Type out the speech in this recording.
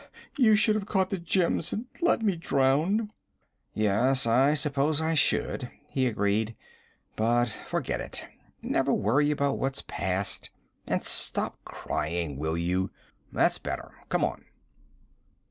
You should have caught the gems and let me drown!' 'Yes, I suppose I should,' he agreed. 'But forget it. Never worry about what's past. And stop crying, will you? That's better. Come on.'